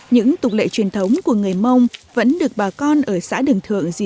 những tục lệ truyền thống của người mông vẫn được bà con ở xã đường thượng di